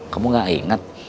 kamu gak inget